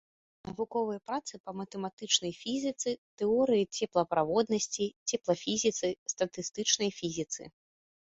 Навуковыя працы па матэматычнай фізіцы, тэорыі цеплаправоднасці, цеплафізіцы, статыстычнай фізіцы.